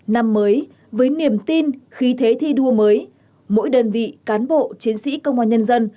năm mới với niềm tin khí thế thi đua mới mỗi đơn vị cán bộ chiến sĩ công an nhân dân